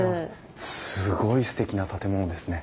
すごいすてきな建物ですね。